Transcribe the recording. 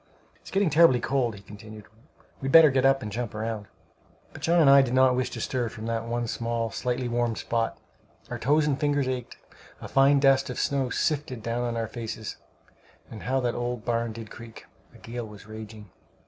"It's getting terribly cold," he continued; "we'd better get up and jump round." But John and I did not wish to stir from that one small slightly warmed spot. Our toes and fingers ached. A fine dust of snow sifted down on our faces; and how that old barn did creak! A gale was raging.